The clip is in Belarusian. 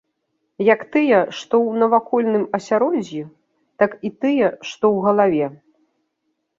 Як тыя, што ў навакольным асяроддзі, так і тыя, што ў галаве.